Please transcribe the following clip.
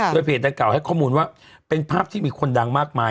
โดยเพจดังกล่าให้ข้อมูลว่าเป็นภาพที่มีคนดังมากมาย